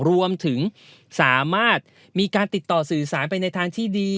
รวมถึงสามารถมีการติดต่อสื่อสารไปในทางที่ดี